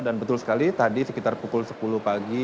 dan betul sekali tadi sekitar pukul sepuluh pagi